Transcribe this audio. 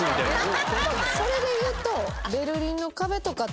それでいうと。